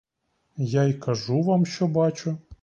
Я й кажу вам, що бачу.